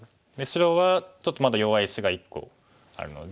白はちょっとまだ弱い石が１個あるので。